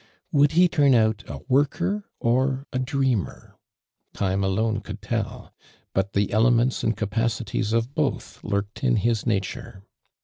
Would he turn out a woiker or a dreamer? Time alone could tell, but the elements and cai)acities of both lurked in his nature.